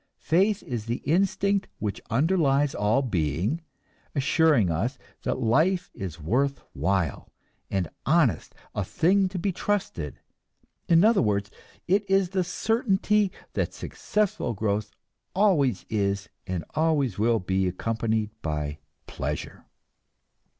Faith is the instinct which underlies all being, assuring us that life is worth while and honest, a thing to be trusted; in other words, it is the certainty that successful growth always is and always will be accompanied by pleasure.